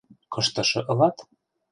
– Кыштышы ылат?